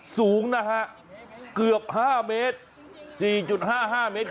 สูงนะฮะเกือบ๕เมตร๔๕๕เมตร